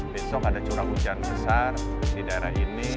besok ada curah hujan besar di daerah ini